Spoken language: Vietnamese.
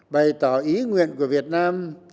bày tỏ ý nguyện của việt nam